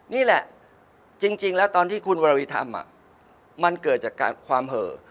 นี่แหละจริงแล้วตอนที่คุณวรวีทำมันเกิดจากความเห่อ